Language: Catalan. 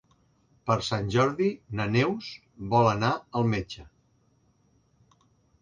Per Sant Jordi na Neus vol anar al metge.